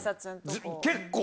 結構。